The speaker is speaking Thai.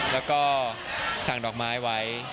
แล้วก็สั่งดอกไม้ไว้